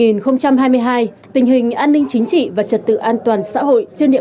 năm hai nghìn hai mươi hai tình hình an ninh chính trị và trật tự an toàn xã hội